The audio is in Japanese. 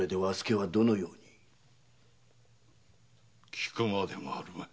聞くまでもあるまい。